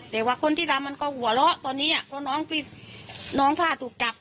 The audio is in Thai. แต่ว่าคนที่ทำมันก็หัวเราะตอนนี้เพราะน้องผ้าถูกจับ